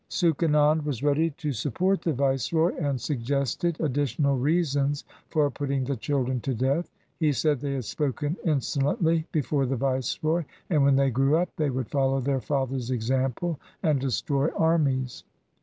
Suchanand was ready to support the viceroy, and suggested additional reasons for putting the children to death. He said they had spoken insolently before the Viceroy, and when they grew up they would follow their father's example and destroy armies.